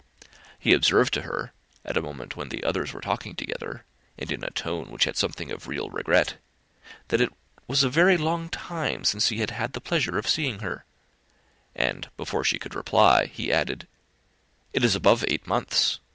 He observed to her, at a moment when the others were talking together, and in a tone which had something of real regret, that it "was a very long time since he had had the pleasure of seeing her;" and, before she could reply, he added, "It is above eight months.